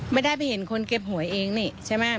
ไม่ได้ไปเห็นคนเก็บหวยเองนี่ใช่ไหม